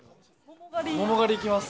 桃狩り行きます。